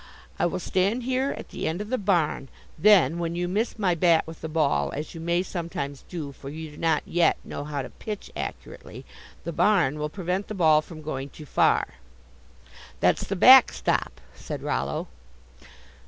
I will stand here at the end of the barn, then when you miss my bat with the ball, as you may sometimes do, for you do not yet know how to pitch accurately, the barn will prevent the ball from going too far." "That's the back stop," said Rollo.